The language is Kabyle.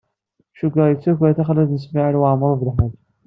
Cukkeɣ yettaker taxlalt Smawil Waɛmaṛ U Belḥaǧ.